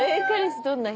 どんな人？